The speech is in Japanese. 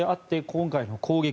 今回の攻撃